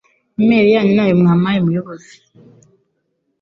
Email yanyu ntayo mwampaye muyobozi